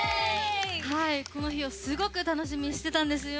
この日をすごく楽しみにしてたんですよ。